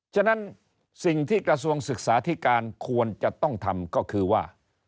ฉะนั้นสิ่งที่กระทรวงศึกษาธิการควรจะต้องทำก็คือว่า